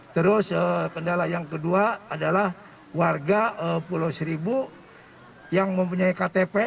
terus kendala yang kedua adalah warga pulau seribu yang mempunyai ktp